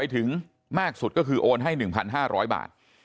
ถึงมากสุดก็คือโอนให้๑๕๐๐บาท